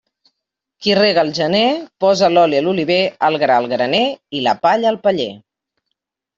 Qui rega al gener, posa l'oli a l'oliver, el gra al graner i la palla al paller.